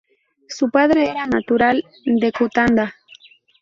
Su padre era natural de Cutanda.